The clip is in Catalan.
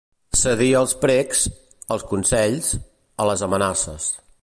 Cedir als precs, als consells, a les amenaces.